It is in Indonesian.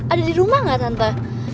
ada dirumah ga tante